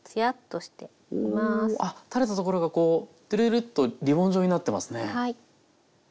あっ垂れたところがこうトゥルルッとリボン状になってますね。